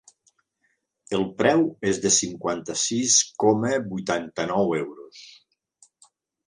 El preu és de cinquanta-sis coma vuitanta-nou euros.